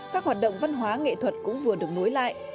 các hoạt động văn hóa nghệ thuật cũng vừa được nối lại